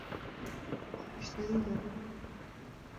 سأشتري ذلك.